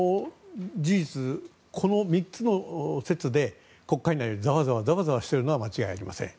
事実、この３つの説で国会内がざわざわしているのは間違いありません。